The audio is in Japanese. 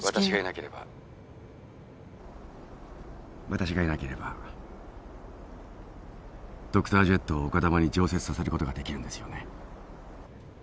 私がいなければドクタージェットを丘珠に常設させることができるんですよね。